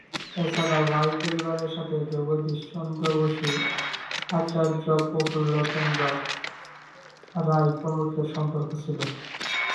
এছাড়াও রায় পরিবারের সাথে জগদীশ চন্দ্র বসু, আচার্য প্রফুল্লচন্দ্র রায় প্রমুখের সম্পর্ক ছিল।